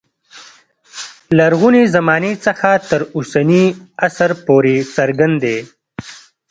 لرغونې زمانې څخه تر اوسني عصر پورې څرګند دی.